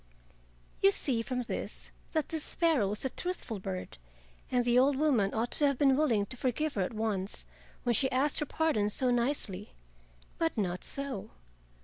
You see from this that the sparrow was a truthful bird, and the old woman ought to have been willing to forgive her at once when she asked her pardon so nicely. But not so.